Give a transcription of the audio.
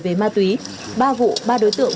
về ma túy ba vụ ba đối tượng